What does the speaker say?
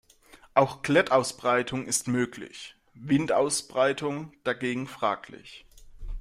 Auch Klettausbreitung ist möglich; Windausbreitung dagegen fraglich.